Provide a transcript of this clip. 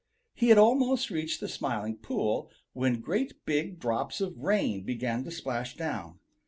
He had almost reached the Smiling Pool when great big drops of rain began to splash down.